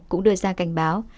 cũng đưa ra cảnh báo